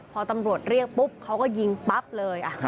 พอตำรวจเรียกปุ๊บเขาก็ยิงปั๊บเลย